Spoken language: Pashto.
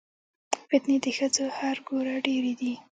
فتنې د ښځو هر ګوره ډېرې دي